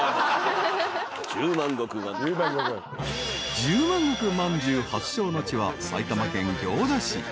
［十万石まんじゅう発祥の地は埼玉県行田市］